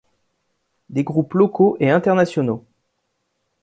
Des groupes locaux et internationaux.